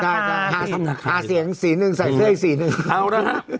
ไปเชื่อไป